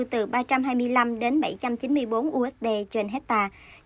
từ ba trăm hai mươi năm đến bảy trăm chín mươi bốn usd trên hectare